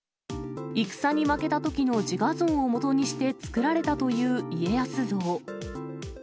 戦に負けたときの自画像を基にして作られたという家康像。